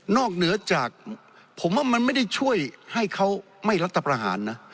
เหนือจากผมว่ามันไม่ได้ช่วยให้เขาไม่รัฐประหารนะ